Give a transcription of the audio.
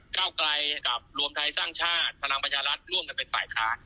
ก้าวกลายกับรวมไทยสร้างชาติพลังปัญชาลัดร์ร่วมกันเป็นสายทาง